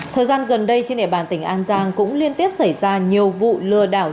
thời gian gần đây trên địa bàn tỉnh an giang cũng liên tiếp xảy ra nhiều vụ lừa đảo